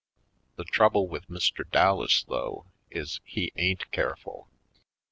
The trouble with Mr. Dallas, though, is he ain't careful.